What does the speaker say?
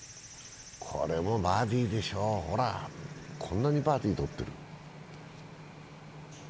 これもバーディーでしょう、こんなにバーディーとってる。